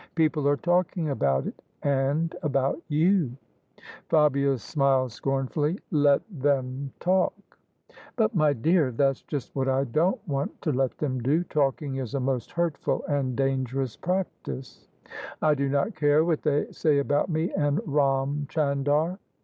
People are talking about it — ^and about youl " Fabia smiled scornfully. " Let them talk 1 "" But, my dear, that's just what I don't want to let them do: talking is a most hurtful and dangerous practice." " I do not care what they say about me and Ram Chandar."